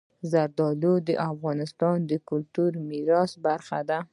زردالو د افغانستان د کلتوري میراث برخه ده.